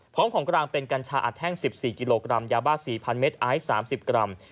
พร้อมของกลางเป็นกัญชาอัดแท่ง๑๔กิโลกรัมยาบาด๔๐๐๐เมตรอายุ๓๐กรัม